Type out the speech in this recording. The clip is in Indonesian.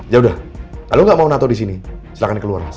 ya udah kalau kamu tidak mau tattoo di sini silahkan keluar mas